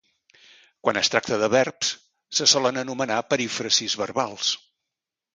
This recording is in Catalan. Quan es tracta de verbs, se solen anomenar perífrasis verbals.